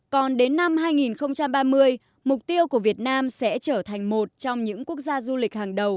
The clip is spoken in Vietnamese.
còn đến năm hai nghìn ba mươi mục tiêu của việt nam sẽ trở thành một trong những quốc gia du lịch hàng đầu